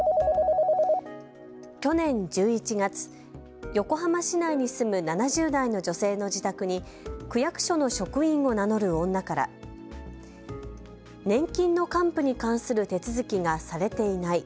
去年１１月、横浜市内に住む７０代の女性の自宅に区役所の職員を名乗る女から年金の還付に関する手続きがされていない。